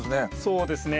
そうですね。